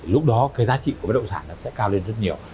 lúc đó cái giá trị của bất động sản nó sẽ cao lên rất nhiều